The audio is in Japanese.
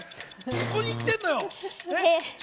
どこに行っているのよ。